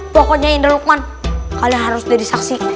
pokoknya indra lukman kalian harus jadi saksi